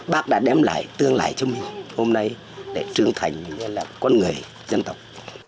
bác đã đem lại tương lại cho mình hôm nay để trưởng thành như là con người dân tộc